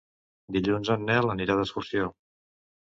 Dilluns en Nel anirà d'excursió.